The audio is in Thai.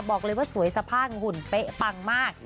บอกเลยว่าสวยสะพ่างหุ่นเป๊ะปังมาก